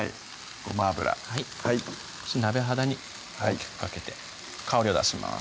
ごま油はい鍋肌に大きくかけて香りを出します